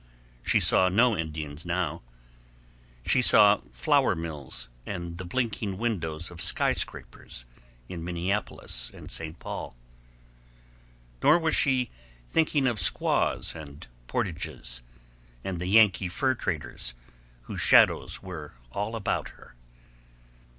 She saw no Indians now; she saw flour mills and the blinking windows of skyscrapers in Minneapolis and St. Paul. Nor was she thinking of squaws and portages, and the Yankee fur traders whose shadows were all about her.